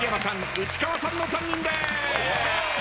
内川さんの３人です。